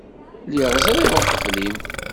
Lliɣ ẓriɣ uqbel-im.